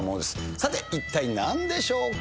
さて、一体なんでしょうか？